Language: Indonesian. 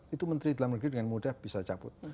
itu menteri dalam negeri dengan mudah bisa cabut